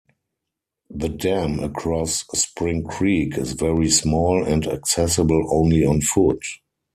The dam across Spring Creek is very small and accessible only on foot.